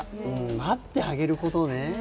待ってあげることね。